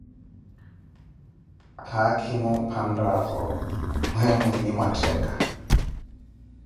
Haakhimo phi anraavo myeeyo mwiiyi mwa ttekka